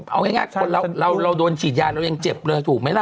เอาง่ายคนเราโดนฉีดยาเรายังเจ็บเลยถูกไหมล่ะ